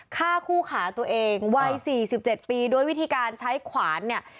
ฆ่าคู่ขาตัวเองวัย๔๗ปีโดยวิธีการใช้ขวานเนี่ย